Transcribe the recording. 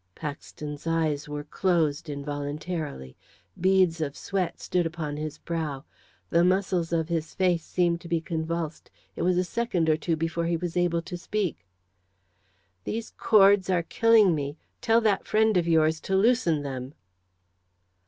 Paxton's eyes were closed, involuntarily. Beads of sweat stood upon his brow. The muscles of his face seemed to be convulsed. It was a second or two before he was able to speak. "These cords are killing me. Tell that friend of yours to loosen them."